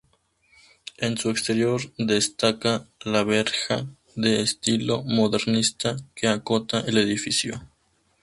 En su exterior, destaca la verja de estilo modernista que acota el edificio.